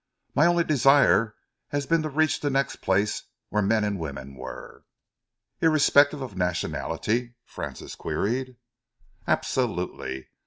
My only desire has been to reach the next place where men and women were." "Irrespective of nationality?" Francis queried. "Absolutely.